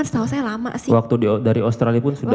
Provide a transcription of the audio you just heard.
setahu saya lama sih waktu dari australia pun sudah